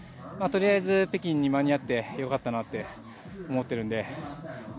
とりあえず北京に間に合ってよかったと思っているので。